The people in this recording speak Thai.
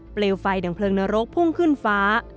เปลวไฟดังเลิงนรกพุ่งขึ้นฟ้า